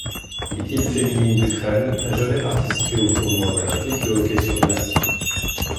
L'équipe féminine d'Ukraine n'a jamais participé au tournoi olympique de hockey sur glace.